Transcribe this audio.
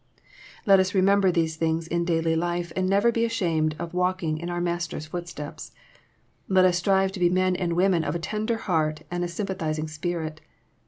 Let us remember these things in daily life, and never be ashamed of walking in our Master's footsteps. Let us strive to be men and women of a tender heart and a sym pathizing spirit.